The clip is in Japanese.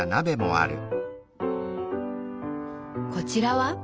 こちらは？